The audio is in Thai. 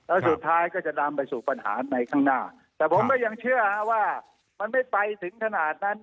แล้วสุดท้ายก็จะนำไปสู่ปัญหาในข้างหน้าแต่ผมก็ยังเชื่อว่ามันไม่ไปถึงขนาดนั้น